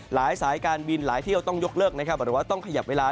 หลายสายการบินหลายที่ต้องยกเลิกหรือว่าต้องขยับเวลา